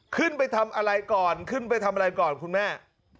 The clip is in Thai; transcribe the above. ขึ้นไปทำอะไรก่อนขึ้นไปทำอะไรก่อนคุณแม่